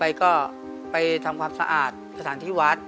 ไปก็ไปทำความสะอาดสถานที่วัด